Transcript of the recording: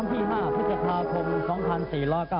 โปรดติดตามตอนต่อไป